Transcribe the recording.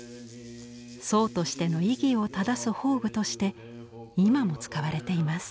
僧としての威儀を正す法具として今も使われています。